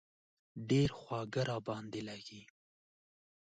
ډېر خواږه را باندې لږي.